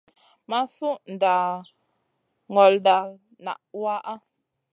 Ma sud nda nzolda nak waʼha.